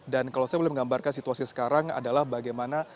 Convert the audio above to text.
dan kalau saya boleh menggambarkan situasi sekarang adalah bagaimana